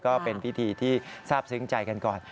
ก็เป็นพิธีที่ทราบซึ้งใจกันก่อน